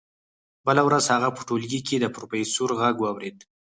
بله ورځ هغه په ټولګي کې د پروفیسور غږ واورېد